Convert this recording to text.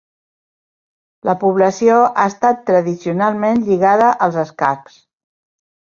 La població ha estat tradicionalment lligada als escacs.